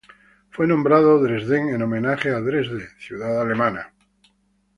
Fue nombrado Dresden en homenaje a Dresde ciudad alemana.